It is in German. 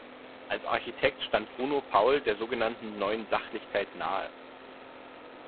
Als Architekt stand Bruno Paul der so genannten „Neuen Sachlichkeit“ nahe.